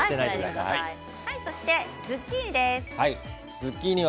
続いてズッキーニです。